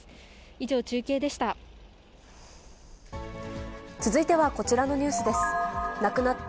以上、中継でした。